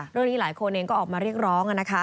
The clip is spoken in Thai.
เรื่องนี้หลายคนเองก็ออกมาเรียกร้องนะคะ